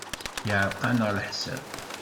Yeɛreq-aneɣ leḥsab.